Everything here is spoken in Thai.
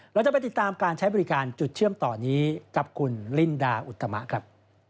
เราจะไปติดตามการใช้บริการจุดเชื่อมต่อนี้กับคุณลินดาอุตมะครับ